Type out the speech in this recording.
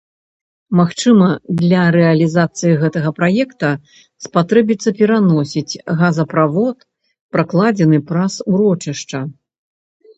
Магчыма, для рэалізацыі гэтага праекта спатрэбіцца пераносіць газаправод, пракладзены праз урочышча.